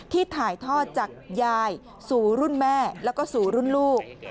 ถ่ายทอดจากยายสู่รุ่นแม่แล้วก็สู่รุ่นลูก